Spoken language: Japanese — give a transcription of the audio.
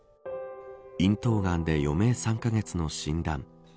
咽頭がんで余命３カ月の診断。